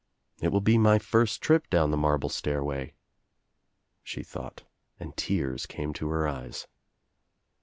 "It will be my first trip down the marble stairway," she thought and tears came to her eyes.